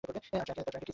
আর ট্রাকে কী ছিল?